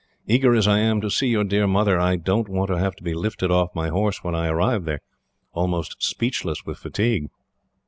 Eager as I am to see your dear mother, I don't want to have to be lifted off my horse when I arrive there, almost speechless with fatigue."